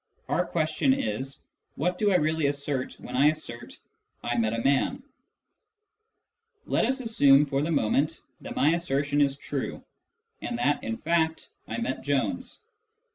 Our question is : What do I really assert when I assert " I met a man "? Let us assume, for the moment, that my assertion is true, and that in fact I met Jones.